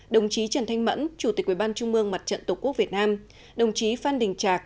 đồng chí trần thanh mẫn chủ tịch ubnd mặt trận tổ quốc việt nam đồng chí phan đình trạc